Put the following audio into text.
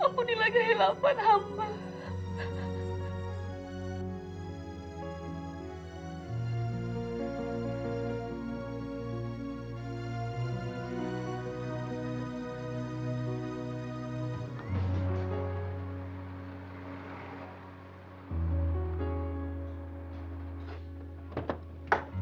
aku peduli tu outras itu ada di dalam